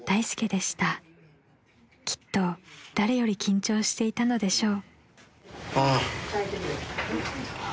［きっと誰より緊張していたのでしょう］